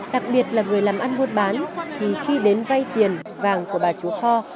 đặc biệt là người làm ăn buôn bán thì khi đến vay tiền vàng của bà chúa kho